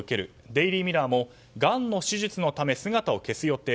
デイリー・ミラーもがんの手術のため姿を消す予定。